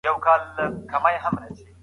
سردرد د سترګو فشار سره زیاتېږي.